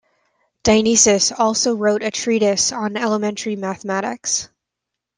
Dionysius also wrote a treatise on elementary mathematics.